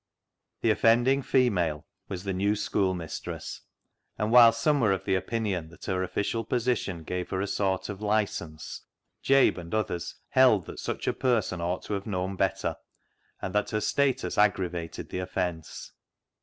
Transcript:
197 igS CLOG SHOP CHRONICLES The offending female was the new school mistress, and whilst some were of opinion that her official position gave her a sort of licence, Jabe and others held that such a person ought to have known better, and that her status aggravated the offence.